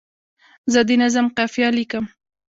زه د نظم قافیه لیکم.